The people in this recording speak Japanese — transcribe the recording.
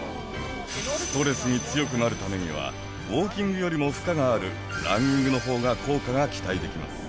ストレスに強くなるためにはウオーキングよりも負荷があるランニングのほうが効果が期待できます。